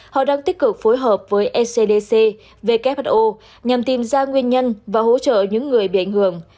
họ đang tích cực phối hợp với ecdc who nhằm tìm ra nguyên nhân và hỗ trợ những người bị ảnh hưởng